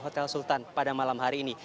hotel sultan pada malam hari ini